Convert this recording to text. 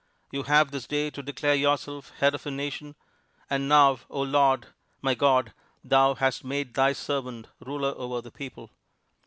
You have this day to declare yourself head of a Nation. And now, O Lord, my God, Thou hast made Thy servant ruler over the people.